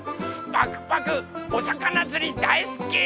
パクパクおさかなつりだいすき！